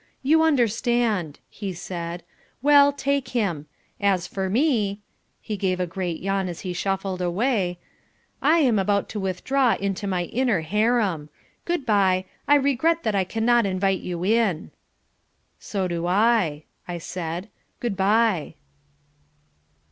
"You understand," he said, "well, take him. As for me," he gave a great yawn as he shuffled away, "I am about to withdraw into my Inner Harem. Goodbye. I regret that I cannot invite you in." "So do I," I said. "Goodbye."